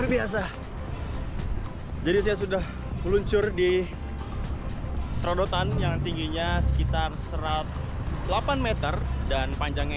luar biasa jadi saya sudah meluncur di serodotan yang tingginya sekitar satu ratus delapan m dan panjangnya